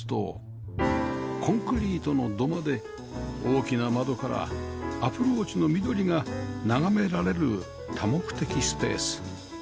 コンクリートの土間で大きな窓からアプローチの緑が眺められる多目的スペース